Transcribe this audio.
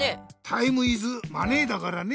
タイムイズマネーだからね。